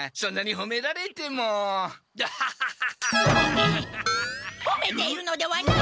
ほめているのではない！